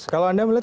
kalau anda melihat